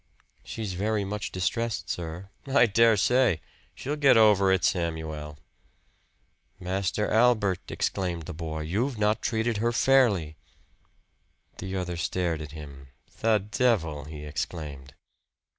"She's very much distressed, sir." "I dare say. She'll get over it, Samuel." "Master Albert," exclaimed the boy, "you've not treated her fairly." The other stared at him. "The devil!" he exclaimed.